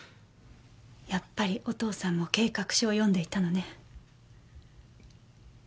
やっぱりお父さんも計画書を読んでいたのね。